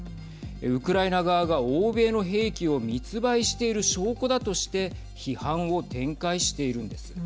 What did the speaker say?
ウクライナ側が欧米の兵器を密売している証拠だとして批判を展開しているんです。